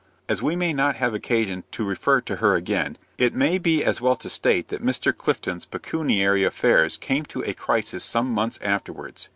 As we may not have occasion to refer to her again, it may be as well to state that Mr. Clifton's pecuniary affairs came to a crisis some months afterwards.